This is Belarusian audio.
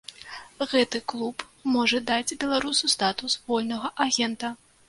Гэты клуб можа даць беларусу статус вольнага агента.